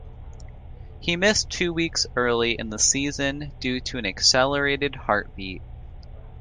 He missed two weeks early in the season due to an accelerated heart beat.